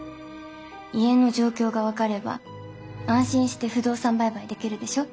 家の状況が分かれば安心して不動産売買できるでしょ。